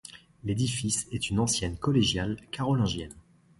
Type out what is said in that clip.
L'édifice est une ancienne collégiale carolingienne.